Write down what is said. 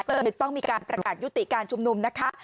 ก็เลยต้องมีการประกาศยุติการชุมนุมนะคะ